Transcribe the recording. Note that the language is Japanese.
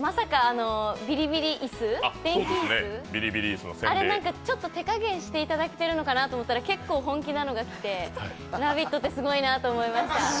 まさかビリビリ椅子、電気椅子、あれなんか、手加減させていただいてるのかなと思ったら、結構本気なのが来て、「ラヴィット！」ってすごいなと思いました。